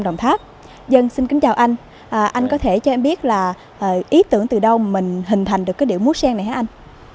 dân xin kính chào anh anh có thể cho em biết là ý tưởng từ đâu mình hình thành được cái điệu muối sen này hả anh